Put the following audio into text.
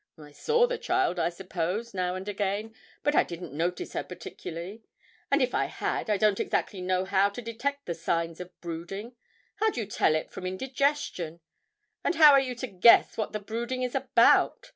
I saw the child, I suppose, now and again; but I didn't notice her particularly, and if I had, I don't exactly know how to detect the signs of brooding. How do you tell it from indigestion? and how are you to guess what the brooding is about?